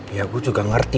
ya gue juga ngerti